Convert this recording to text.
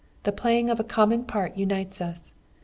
The playing of a common part unites us.